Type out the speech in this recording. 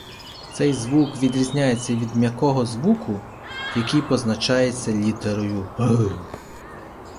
Цей звук відрізняється від м'якого звуку, який позначається літерою «г».